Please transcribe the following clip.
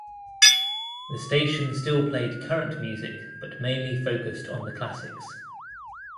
The station still played current music but mainly focused on the classics.